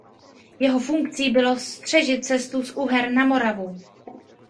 Jeho funkcí bylo střežit cestu z Uher na Moravu.